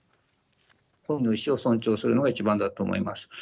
本人の意思を尊重するのが一番だと思います。